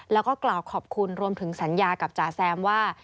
แล้วก็กล่าวขอบคุณรวมถึงสัญญากับจ๋าแซมว่า